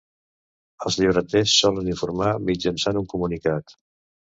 Els llibreters solen informar mitjançant un comunicat.